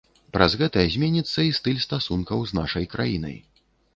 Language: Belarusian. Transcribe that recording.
Праз гэта зменіцца і стыль стасункаў з нашай краінай.